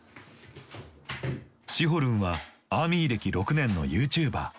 シホるんはアーミー歴６年のユーチューバー。